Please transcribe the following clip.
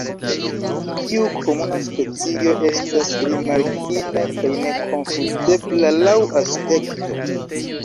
Tiu komuna specio estas rimarkinda kaj nekonfuzebla laŭ aspekto.